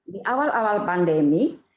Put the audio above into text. di awal awal pandemi